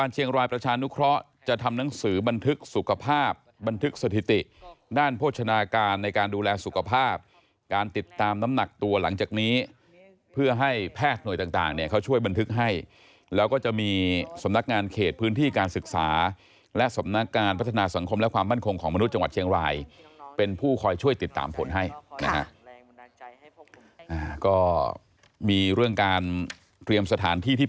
ประชานุเคราะห์จะทำหนังสือบันทึกสุขภาพบันทึกสถิติด้านโภชนาการในการดูแลสุขภาพการติดตามน้ำหนักตัวหลังจากนี้เพื่อให้แพทย์หน่วยต่างเนี่ยเขาช่วยบันทึกให้แล้วก็จะมีสำนักงานเขตพื้นที่การศึกษาและสำนักการพัฒนาสังคมและความมั่นคงของมนุษย์จังหวัดเชียงรายเป็นผู้คอยช่วยติดตามผลให้นะฮะก็มีเรื่องการเตรียมสถานที่ที่